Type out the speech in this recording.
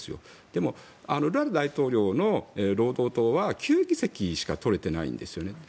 でも、ルラ元大統領の労働党は９議席しか取れてないんですね。